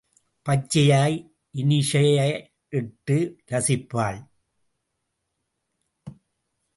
பச்சையாய் இனிஷியலிட்டு ரசிப்பாள்.